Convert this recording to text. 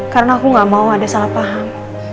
karena aku gak mau ada salah paham